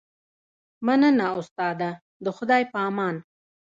مننه استاده د خدای په امان